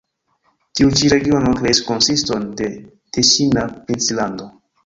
Tiu ĉi regiono kreis konsiston de teŝina princlando.